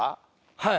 はい。